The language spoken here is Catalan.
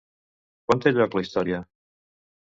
Quan té lloc la història?